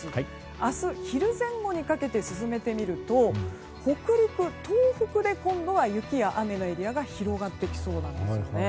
明日昼前後にかけて進めてみると北陸、東北で今度は雪や雨のエリアが広がってきそうなんですよね。